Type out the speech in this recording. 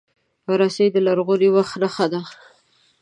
رسۍ د لرغوني وخت نښه ده.